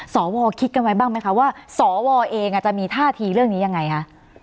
สวคิดกันไว้บ้างไหมคะว่าสวเองจะมีท่าทีเรื่องนี้ยังไงคะ